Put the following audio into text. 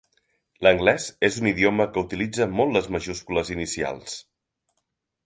L"anglès és un idioma que utilitza molt les majúscules inicials.